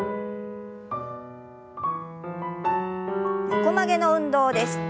横曲げの運動です。